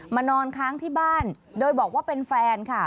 นอนค้างที่บ้านโดยบอกว่าเป็นแฟนค่ะ